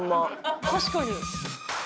確かに。